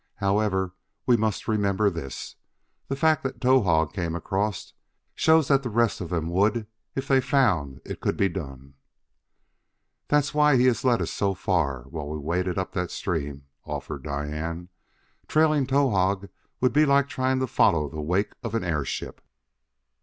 However, we must remember this: the fact that Towahg came across shows that the rest of them would if they found it could be done." "That was why he led us so far while we waded up that stream," offered Diane. "Trailing Towahg would be like trying to follow the wake of an airship."